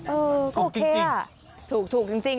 เออก็โอเคอ่ะถูกจริง